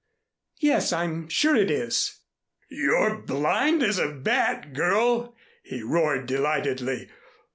"Yes, I'm sure it is." "You're blind as a bat, girl," he roared delightedly.